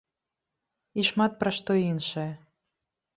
І шмат пра што іншае.